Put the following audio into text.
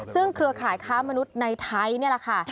ซึ่งเครือข่ายค้ามนุษย์ในไทยนี่แหละค่ะ